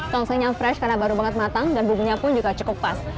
tong seng yang fresh karena baru banget matang dan bumbunya pun juga cukup pas